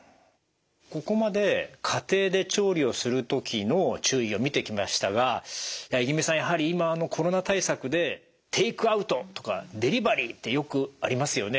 ここまで家庭で調理をする時の注意を見てきましたが五十君さんやはり今コロナ対策でテイクアウトとかデリバリーってよくありますよね。